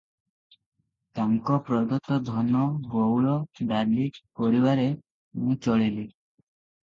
ତାଙ୍କପ୍ରଦତ୍ତ ଧନ, ଗଉଳ, ଡାଲି, ପରିବାରେ ମୁଁ ଚଳିଲି ।